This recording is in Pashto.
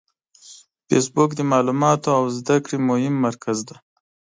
فېسبوک د معلوماتو او زده کړې مهم مرکز دی